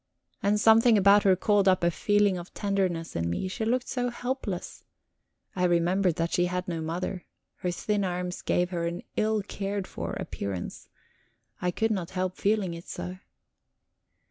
And something about her called up a feeling of tenderness in me; she looked so helpless, I remembered that she had no mother; her thin arms gave her an ill cared for appearance. I could not help feeling it so.